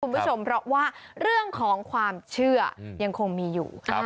คุณผู้ชมเพราะว่าเรื่องของความเชื่อยังคงมีอยู่